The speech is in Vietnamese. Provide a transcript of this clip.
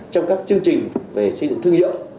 trong các chương trình về xây dựng thương hiệu